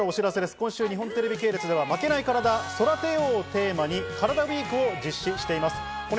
今週、日本テレビ系列では「負けないカラダ、育てよう」をテーマにカラダＷＥＥＫを実施しています。